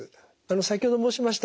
先ほど申しました